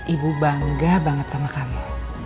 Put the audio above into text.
ibu bangga banget sama kami